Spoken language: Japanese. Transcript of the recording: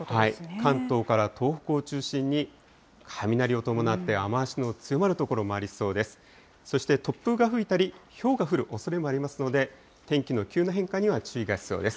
関東から東北を中心に、雷を伴って雨足の強まる所もありそうです。